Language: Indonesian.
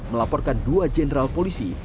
melaporkan dua jenderal polisi